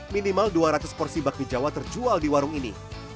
minimal dua ratus porsi bakmi jawa terjual di warung ini